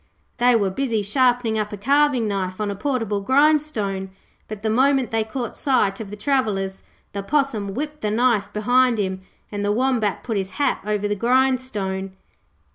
They were busy sharpening up a carving knife on a portable grind stone, but the moment they caught sight of the travellers the Possum whipped the knife behind him and the Wombat put his hat over the grindstone.